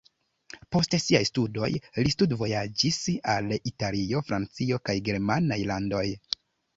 Post siaj studoj li studvojaĝis al Italio, Francio kaj germanaj landoj.